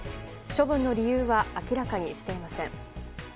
処分の理由は明らかにしていません。